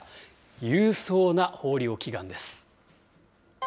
勇壮な豊漁祈願です。